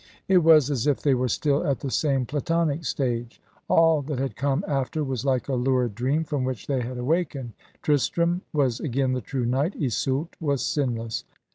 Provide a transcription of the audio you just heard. It was as if they were still at the same platonic stage. All that had come after was like a lurid dream from which they had awakened. Tristram was again the true knight. Iseult was sinless.